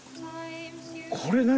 これ何？